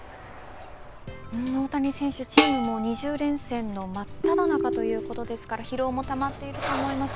大谷選手チームの２０連戦のまっただ中ということですから疲労もたまっていると思います。